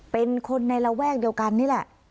เป็นคนในระแวกเดียวกันนี่แหละ